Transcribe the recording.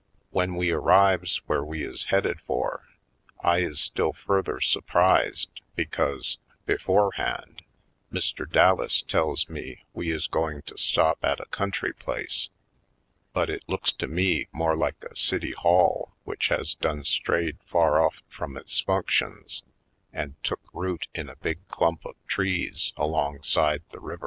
When we arrives where we is headed for I is still further surprised because, before hand, Mr. Dallas tells me we is going to stop at a country place, but it looks to me more like a city hall which has done strayed far off from its functions and took root in a big clump of trees alongside the river.